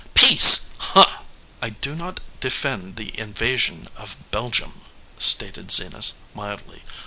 Peace! Huh!" "I do not defend the invasion of Belgium," stated Zenas, mildly.